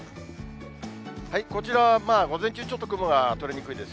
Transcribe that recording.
こちらは、午前中ちょっと雲が取れにくいです。